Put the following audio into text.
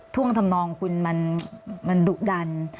่วงทำนองคุณมันดุดัน